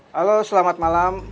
halo selamat malam